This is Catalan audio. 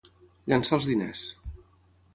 Llençar els diners.